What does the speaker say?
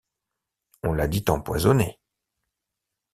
On l'a dit empoisonné.